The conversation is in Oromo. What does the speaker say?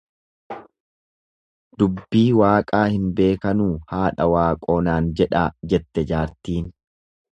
Dubbii waaqaa hin beekanuu haadha waaqoo naan jedhaa jette jaartiin.